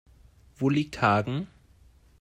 Wo liegt Hagen?